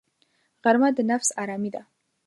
غرمه د نفس آرامي ده